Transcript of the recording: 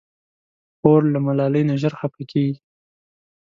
خور له ملالۍ نه ژر خفه کېږي.